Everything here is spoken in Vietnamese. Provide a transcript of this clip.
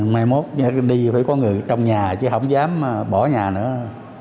may mốt đi phải có người trong nhà chứ không dám bỏ nhà nữa